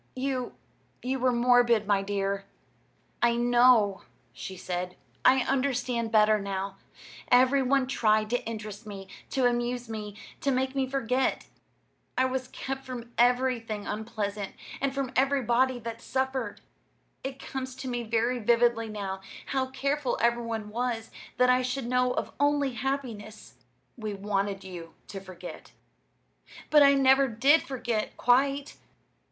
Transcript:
You you were morbid, my dear." "I know," she said. "I understand better now. Every one tried to interest me, to amuse me, to make me forget. I was kept from everything unpleasant, and from everybody that suffered. It comes to me very vividly now, how careful every one was that I should know of only happiness." "We wanted you to forget." "But I never did forget quite.